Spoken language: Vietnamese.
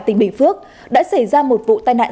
tỉnh bình phước đã xảy ra một vụ tai nạn